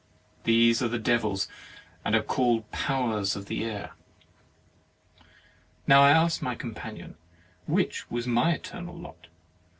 These are Devils, and are called powers of the air. I now asked my com panion which was my eternal lot.